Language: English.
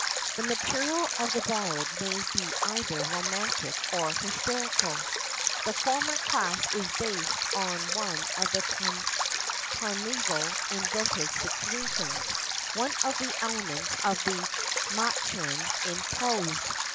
The material of the ballad may be either romantic or historical. The former class is based on one of the primeval invented situations, one of the elements of the Märchen in prose.